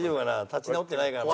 立ち直ってないから。